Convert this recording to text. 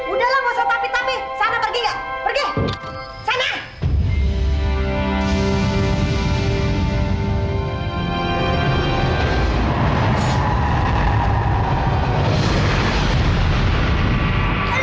udahlah nggak usah tapi tapi sana pergi nggak pergi sana